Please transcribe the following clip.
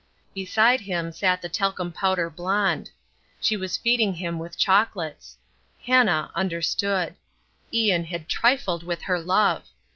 Beside him sat the talcum powder blonde. She was feeding him with chocolates. Hannah understood. Ian had trifled with her love.